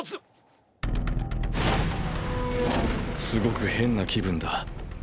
すごく変な気分だ。